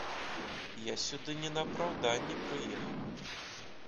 Я сюды не па апраўданні прыехаў.